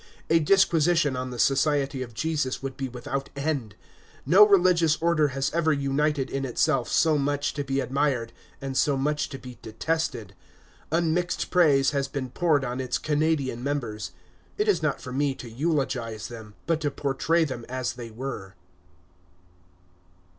A disquisition on the Society of Jesus would be without end. No religious order has ever united in itself so much to be admired and so much to be detested. Unmixed praise has been poured on its Canadian members. It is not for me to eulogize them, but to portray them as they were.